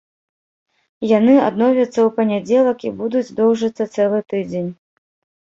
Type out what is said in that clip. Яны адновяцца ў панядзелак і будуць доўжыцца цэлы тыдзень.